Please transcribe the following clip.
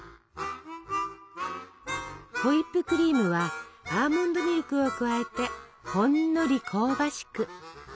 ホイップクリームはアーモンドミルクを加えてほんのり香ばしく。